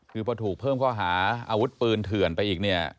คือพอถูกเพิ่มข้อหาอาวุธปืนเถื่อนไปอีกเนี่ย